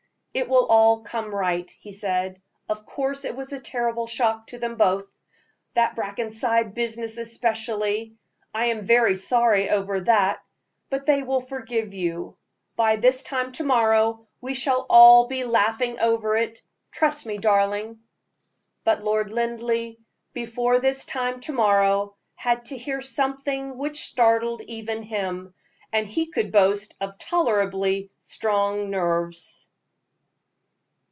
"It will all come right," he said. "Of course it was a terrible shock to them both, that Brackenside business especially. I am very sorry over that; but they will forgive you. By this time to morrow we shall all be laughing over it, trust me, darling." But Lord Linleigh, before this time to morrow, had to hear something which startled even him, and he could boast of tolerably strong nerves.